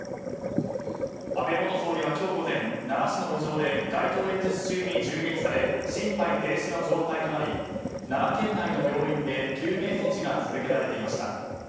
安倍元総理は今日午前奈良市の路上で街頭演説中に銃撃され心肺停止の状態となり奈良県内の病院で救命措置が続けられていました。